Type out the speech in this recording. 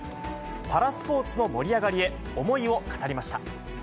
パラスポーツの盛り上がりへ、思いを語りました。